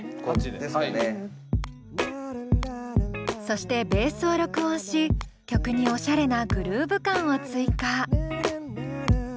そしてベースを録音し曲におしゃれなグルーヴ感を追加。